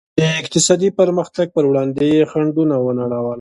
د اقتصادي پرمختګ پر وړاندې یې خنډونه ونړول.